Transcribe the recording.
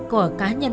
của cá nhân